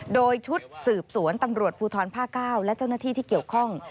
โดยชุดสืบสวนตำรวจภูทรภาค๙และเจ้าหน้าที่ที่เกี่ยวข้อง